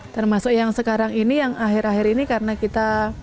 termasuk yang sekarang ini yang akhir akhir ini karena kita